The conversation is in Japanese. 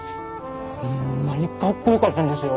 ホンマにかっこよかったんですよ！